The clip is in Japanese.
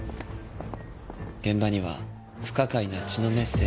現場には不可解な血のメッセージもあった。